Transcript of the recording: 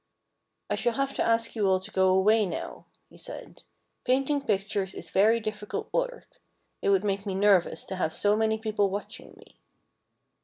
"I shall have to ask you all to go away now," he said. "Painting pictures is very difficult work. It would make me nervous to have so many people watching me."